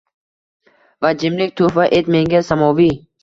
va jimlik tuhfa et menga samoviy